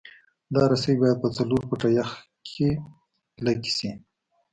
دا رسۍ باید په څلور فټه یخ کې کلکې شي